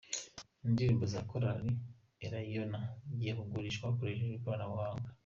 Indirimbo za Korali Elayono zigiye kugurishwa hakoreshejwe ikoranabuhanga